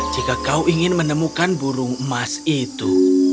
jika kau ingin menemukan burung emas itu